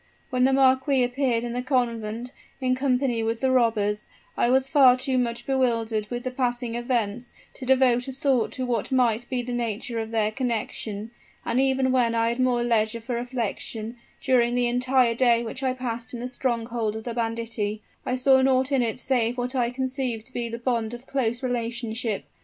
When the marquis appeared in the convent, in company with the robbers, I was far too much bewildered with the passing events, to devote a thought to what might be the nature of their connection; and even when I had more leisure for reflection, during the entire day which I passed in the stronghold of the banditti, I saw naught in it save what I conceived to be the bond of close relationship.